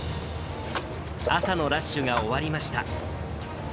朝のラッシュが終わりました。